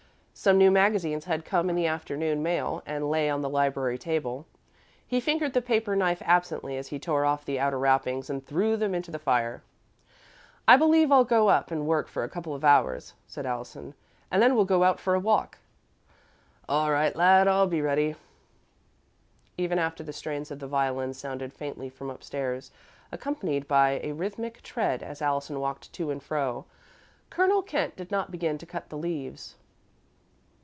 Some new magazines had come in the afternoon mail and lay on the library table. He fingered the paper knife absently as he tore off the outer wrappings and threw them into the fire. "I believe I'll go up and work for a couple of hours," said Allison, "and then we'll go out for a walk." "All right, lad. I'll be ready." Even after the strains of the violin sounded faintly from upstairs, accompanied by a rhythmic tread as Allison walked to and fro, Colonel Kent did not begin to cut the leaves.